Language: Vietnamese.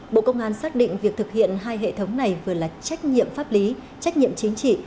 bộ công an xác định việc thực hiện hai hệ thống này vừa là trách nhiệm pháp lý trách nhiệm chính trị